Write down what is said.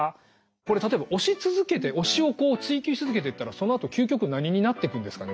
これ例えば推し続けて推しをこう追求し続けていったらそのあと究極何になってくんですかね？